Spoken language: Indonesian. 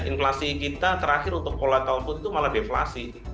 inflasi kita terakhir untuk volatil food itu malah deflasi